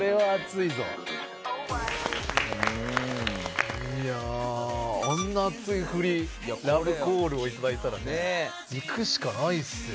いやああんな熱いフリラブコールを頂いたらね行くしかないっすよ。